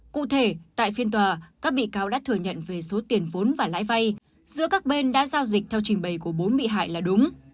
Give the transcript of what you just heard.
cụ thể tại phiên tòa các bị cáo đã thừa nhận về số tiền vốn và lãi vay giữa các bên đã giao dịch theo trình bày của bốn bị hại là đúng